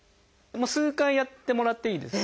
数回やってもらっていいです。